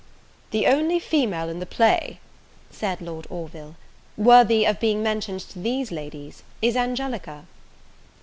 "The only female in the play," said Lord Orville, "worthy of being mentioned to these ladies is Angelica."